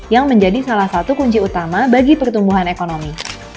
yang menjadi salah satu kunci utama bagi pertumbuhan ekonomi